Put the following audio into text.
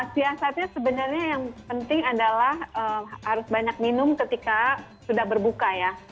siasatnya sebenarnya yang penting adalah harus banyak minum ketika sudah berbuka ya